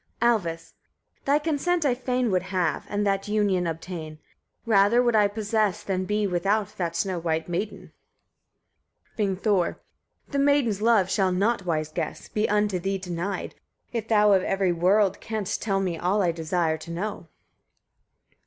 Alvis. 7. Thy consent I fain would have, and that union obtain. Rather would I possess than be without that snow white maiden. Vingthor. 8. The maiden's love shall not, wise guest! be unto thee denied, if thou of every world canst tell all I desire to know.